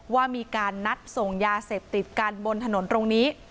ว่ามีการนัดส่งยาเสพติดกันบนถนนตรงนี้